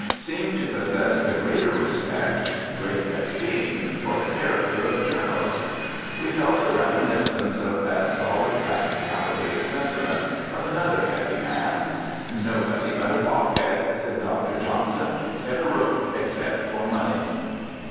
Seemed to possess the greater respect, great esteem, for the character of journalist. We felt a reminiscence of that solid practicality of sentiment of another heavy man. "Nobody but a blockhead," said Dr. Johnson, "ever wrote except for money."